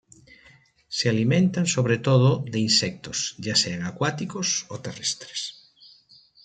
Se alimentan sobre todo de insectos ya sean acuáticos o terrestres.